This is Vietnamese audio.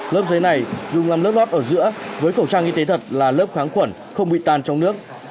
lớp giấy này dùng làm lớp lót ở giữa với khẩu trang y tế thật là lớp kháng khuẩn không bị tan trong nước